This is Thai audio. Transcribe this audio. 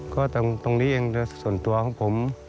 ก็ตรงนี้ส่วนตัวของผม